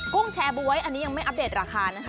กุ้งแชร์บ๊วยอันนี้ยังไม่อัปเดตราคานะคะ